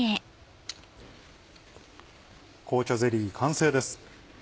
紅茶ゼリー完成です。